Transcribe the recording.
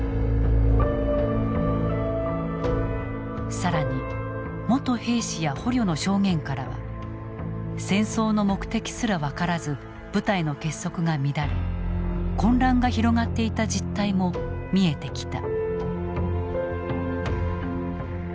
更に元兵士や捕虜の証言からは戦争の目的すら分からず部隊の結束が乱れ混乱が広がっていた実態も見えてきた。